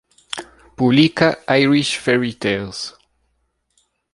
Publica "Irish Fairy Tales".